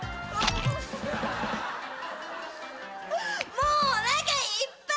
もうおなかいっぱい！